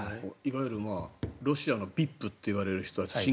いわゆるロシアのＶＩＰといわれる人たち。